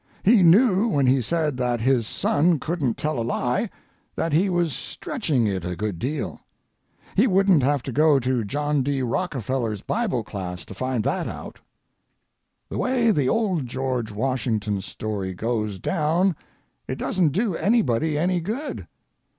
He knew when he said that his son couldn't tell a lie that he was stretching it a good deal. He wouldn't have to go to John D. Rockefeller's Bible class to find that out. The way the old George Washington story goes down it doesn't do anybody any good.